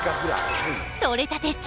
とれたて